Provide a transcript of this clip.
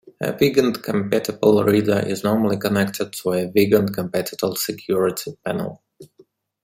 A Wiegand-compatible reader is normally connected to a Wiegand-compatible security panel.